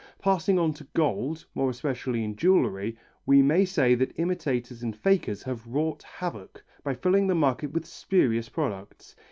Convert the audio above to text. Passing on to gold, more especially in jewellery, we may say that imitators and fakers have wrought havoc by filling the market with spurious products.